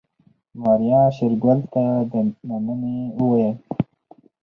ماريا شېرګل ته د مننې وويل.